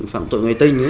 phạm tội ngoại tình